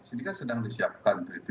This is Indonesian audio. ini kan sedang disiapkan